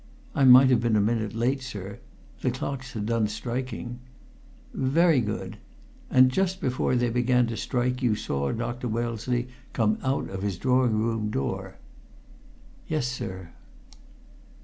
"I might have been a minute late, sir. The clocks had done striking." "Very good. And just before they began to strike you saw Dr. Wellesley come out of his drawing room door?" "Yes, sir."